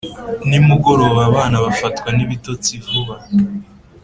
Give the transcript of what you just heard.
nimugoroba abana bafatwa n’ibitotsi vuba,